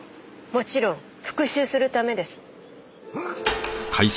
もちろん復讐するためです。